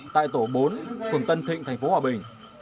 tại tổ bốn phường tân thịnh thành phố hòa bình